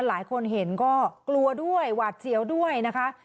หลายคนเห็นก็กลัวด้วยหวาดเสียวด้วยนะคะ